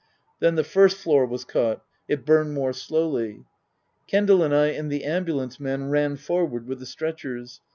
Then the first floor was caught. It burned more slowly. Kendal and I and the ambulance men ran forward with the stretchers.